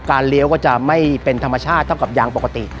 เลี้ยวก็จะไม่เป็นธรรมชาติเท่ากับยางปกติ